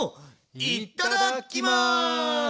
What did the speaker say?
いただきます！